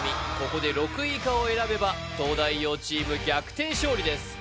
ここで６位以下を選べば東大王チーム逆転勝利です